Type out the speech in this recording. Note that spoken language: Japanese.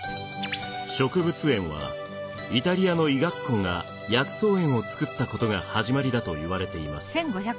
植物園はイタリアの医学校が薬草園を作ったことが始まりだといわれています。